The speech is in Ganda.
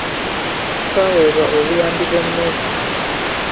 Twaweebwa obuyambi bw'emmere.